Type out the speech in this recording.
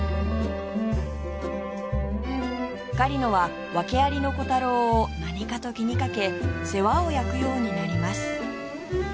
狩野は訳ありのコタローを何かと気にかけ世話を焼くようになります